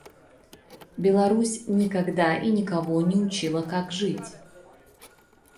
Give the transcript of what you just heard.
Беларусь никогда и никого не учила как жить.